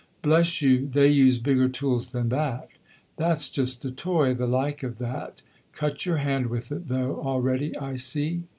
"Bless you, they use bigger tools than that. That's just a toy, the like of that. Cut your hand with it, though, already, I see."